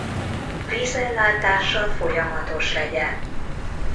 Vízellátása folyamatos legyen.